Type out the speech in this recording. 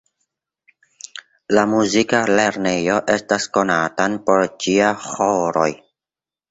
La muzika lernejo estas konatan por ĝia ĥoroj.